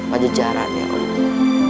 pada jajaran ya allah